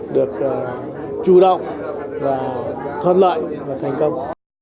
được chủ động và thuận lợi và thành công